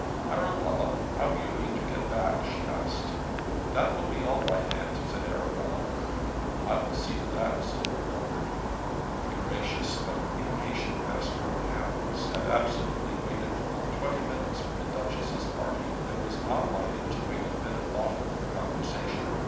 "Arabella, how do you mean to get back?" she asked. "That will be all right, aunt," said Arabella. "I will see to that," said Lord Rufford. The gracious but impatient master of the hounds had absolutely waited full twenty minutes for the Duchess's party; and was not minded to wait a minute longer for conversation.